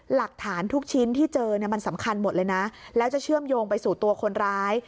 หลักฐานทุกชิ้นที่เจอเนี่ยมันสำคัญหมดเลยนะแล้วจะเชื่อมโยงไปสู่ตัวคนร้าย